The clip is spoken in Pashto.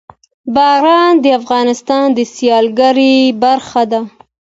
باران د افغانستان د سیلګرۍ برخه ده.